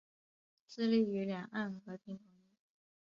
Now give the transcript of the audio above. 致力于两岸和平统一。